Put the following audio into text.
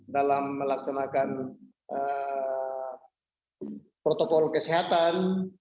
dalam melaksanakan protokol kesehatan